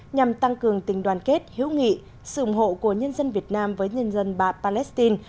nhằm tăng cường tình đoàn kết hữu nghị sự ủng hộ của nhân dân việt nam với nhân dân bà palestine